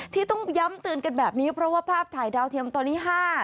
ที่ต้องย้ำเตือนกันแบบนี้เพราะว่าภาพถ่ายดาวเทียมตอนนี้๕